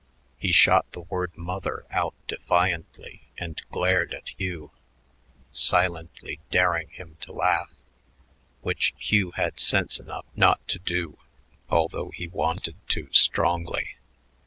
He shot the word "mother" out defiantly and glared at Hugh, silently daring him to laugh, which Hugh had sense enough not to do, although he wanted to strongly.